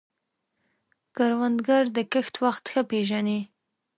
کروندګر د کښت وخت ښه پېژني